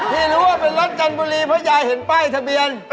ที่รู้ว่าเป็นรถจันทบุรีเพราะยายเห็นป้ายทะเบียน